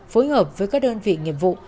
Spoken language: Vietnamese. phối hợp với các đơn vị nghiệp vụ